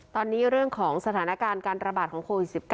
ตอนนี้เรื่องของสถานการณ์การระบาดของโควิด๑๙